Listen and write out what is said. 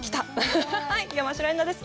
山代エンナです。